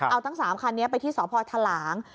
เอาทั้ง๓คันนี้ไปที่สพทหลาง